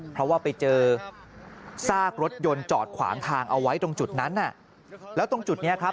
เพราะว่าไปเจอซากรถยนต์จอดขวางทางเอาไว้ตรงจุดนั้นน่ะแล้วตรงจุดนี้ครับ